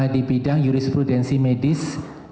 di bidang jurisprudensi medis